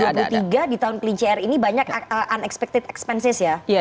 pada tahun dua ribu dua puluh tiga di tahun kelinci air ini banyak unexpected expenses ya